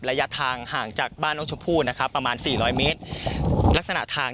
ระยะทางห่างจากบ้านน้องชมพู่นะครับประมาณสี่ร้อยเมตรลักษณะทาง